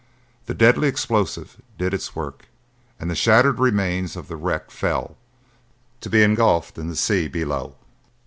The deadly explosive did its work, and the shattered remains of the wreck fell, to be engulfed in the sea below.